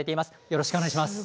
よろしくお願いします。